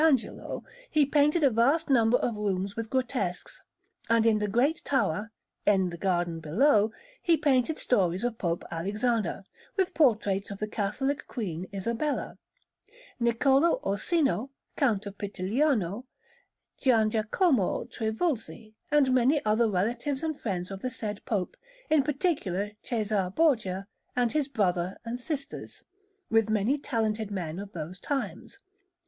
Angelo he painted a vast number of rooms with grotesques; and in the Great Tower, in the garden below, he painted stories of Pope Alexander, with portraits of the Catholic Queen, Isabella; Niccolò Orsino, Count of Pittigliano; Gianjacomo Trivulzi, and many other relatives and friends of the said Pope, in particular Cæsar Borgia and his brother and sisters, with many talented men of those times.